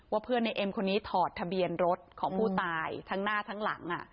เพื่อนในเอ็มคนนี้ถอดทะเบียนรถของผู้ตายทั้งหน้าทั้งหลัง